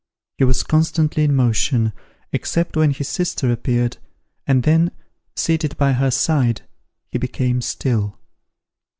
He was constantly in motion, except when his sister appeared, and then, seated by her side, he became still.